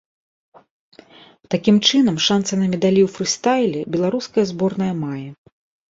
Такім чынам, шанцы на медалі ў фрыстайле беларуская зборная мае.